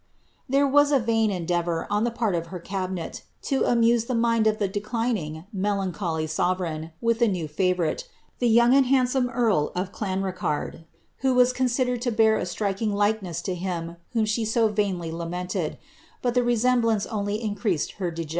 '' There was a vain endeavour, on the part of her cabinet, to amttse the Blind of the declining melancholy sovereign, with a new fiivourite, the young and handsome earl of Clanricarde, who was considered to bear a striking likeness to him whom she so vainly lamented ; but the resem blance only increased her dejection.